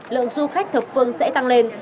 lượng du khách thập phương sẽ tăng lên